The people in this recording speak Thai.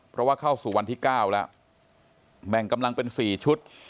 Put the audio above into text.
เพราะว่าเข้าสู่วันที่๙แล้วแบ่งกำลังเป็น๔ชุด